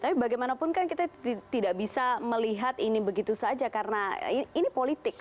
tapi bagaimanapun kan kita tidak bisa melihat ini begitu saja karena ini politik